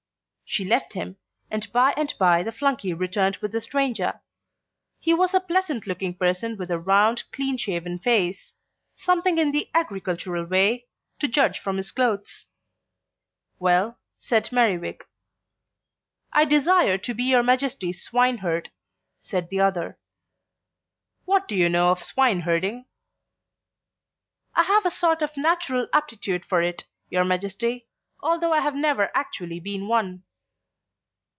She left him; and by and by the flunkey returned with the stranger. He was a pleasant looking person with a round clean shaven face; something in the agricultural way, to judge from his clothes. "Well?" said Merriwig. "I desire to be your Majesty's swineherd," said the other. "What do you know of swineherding?" "I have a sort of natural aptitude for it, your Majesty, although I have never actually been one."